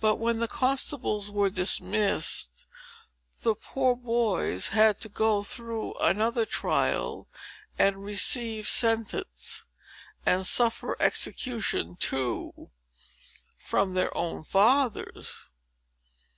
But, when the constables were dismissed, the poor boys had to go through another trial, and receive sentence, and suffer execution too, from their own fathers.